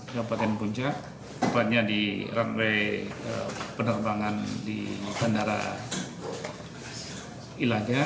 kabupaten puncak tepatnya di runway penerbangan di bandara ilaga